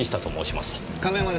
亀山です。